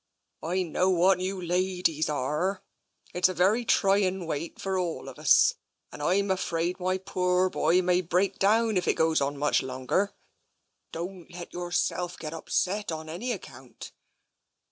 " I know what you ladies are. It's a very trying wait for all of us, and I'm afraid my poorr boy may break down if it goes on much longer. Don't let yourself get upset on any account."